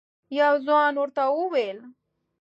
یو ځوان ورته وویل: